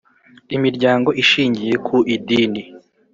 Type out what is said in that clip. imiryango ishingiye ku Idini